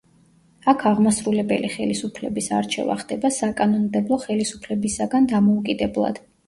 აქ აღმასრულებელი ხელისუფლების არჩევა ხდება საკანონმდებლო ხელისუფლებისაგან დამოუკიდებლად.